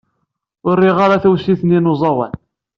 Ur riɣ ara tawsit-nni n uẓawan.